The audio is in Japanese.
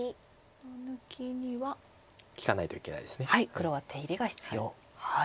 黒は手入れが必要。